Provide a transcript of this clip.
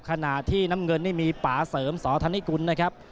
ขณะที่น้ำเงินนี่มีป่าเสริมสธนิกุลนะครับ